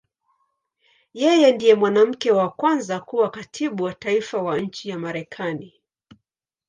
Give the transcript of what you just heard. Yeye ndiye mwanamke wa kwanza kuwa Katibu wa Taifa wa nchi ya Marekani.